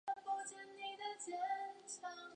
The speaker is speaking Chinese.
在清民两代都到了顶峰。